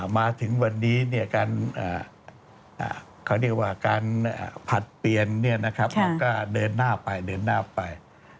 มาถึงวันนี้เขาเรียกว่าการผลัดเปลี่ยนก็เดินหน้าไปเดินหน้าไป